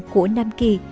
của nam kỳ